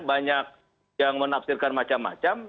banyak yang menafsirkan macam macam